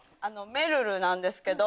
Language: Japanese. めるるなんですけど。